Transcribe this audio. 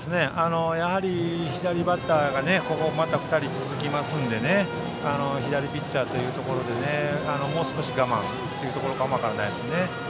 やはり左バッターがまた２人続きますからね左ピッチャーというところでもう少し我慢というところかも分からないですね。